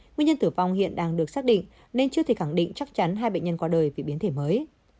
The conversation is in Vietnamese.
nguyên nhân tử vong hiện đang được xác định nên chưa thể khẳng định chắc chắn hai bệnh nhân qua đời vì biến thể mới